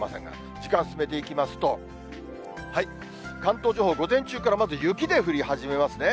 時間進めていきますと、関東地方、午前中からまず雪で降り始めますね。